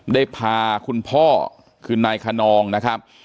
ได้พาคุณพ่อคือนายขนองนะครับ